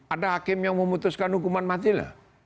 ada hakim yang memutuskan hukuman mati lah